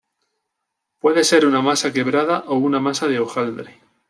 Puede ser una masa quebrada o una masa de hojaldre.